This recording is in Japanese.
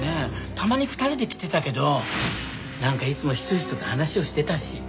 たまに２人で来てたけどなんかいつもひそひそと話をしてたし。